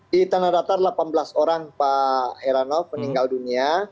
di tandadatar delapan belas orang pak eranof meninggal dunia